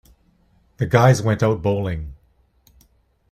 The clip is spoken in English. The guys went out bowling.